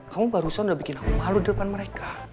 kamu barusan udah bikin aku malu di depan mereka